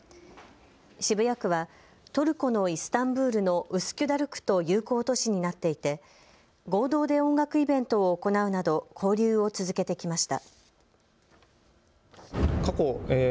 渋谷区はトルコのイスタンブールのウスキュダル区と友好都市になっていて合同で音楽イベントを行うなど交流を続けてきました。